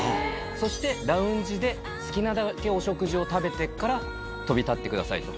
そしてラウンジで好きなだけお食事を食べてから飛び立ってくださいと。